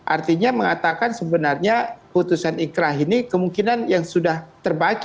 artinya mengatakan sebenarnya putusan ikrah ini kemungkinan yang sudah terbaca